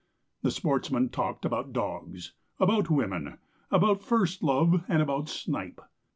The sportsmen talked about dogs, about women, about first love, and about snipe.